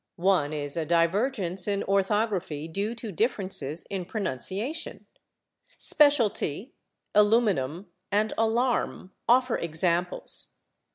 One is a divergence in orthography due to differences in pronunciation. /Specialty/, /aluminum/ and /alarm/ offer examples.